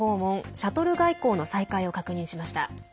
シャトル外交の再開を確認しました。